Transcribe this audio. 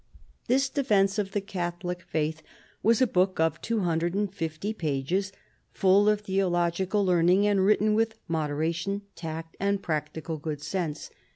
This Defence of the Catholic Faith was a book of 250 pages, full of theological learning, and written with moderation, tact, and practical good sense.